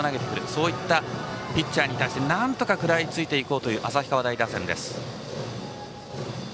そういったピッチャーに対しなんとか食らいつこうという旭川打線です。